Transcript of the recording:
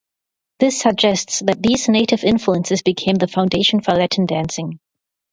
This suggests that these Native influences became the foundation for Latin dancing.